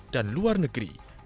dan luar negeri